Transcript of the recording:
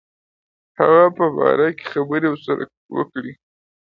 هغه په باره کې خبري ورسره وکړي.